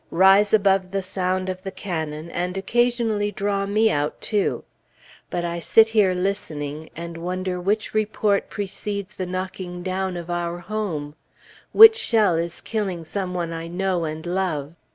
rise above the sound of the cannon, and occasionally draw me out, too. But I sit here listening, and wonder which report precedes the knocking down of our home; which shell is killing some one I know and love.